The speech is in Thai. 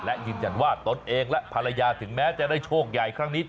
และยืนยันว่าตนเองและภรรยาถึงแม้จะได้โชคใหญ่ครั้งนี้